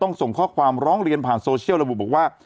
ส่งข้อความร้องเรียนผ่านโซเชียลระบุบอกว่า